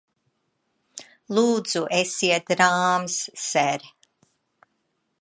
Lūdzu, esiet rāms, ser!